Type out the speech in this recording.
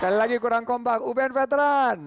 sekali lagi kurang kompak upn veteran